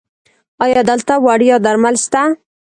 ایا دلته وړیا درمل شته؟